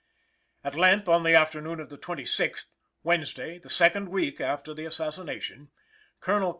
At length, in the afternoon of the 26th Wednesday, the second week after the assassination Col.